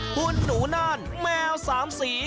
คุณหนูน่านแมว๓สี